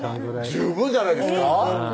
十分じゃないですか？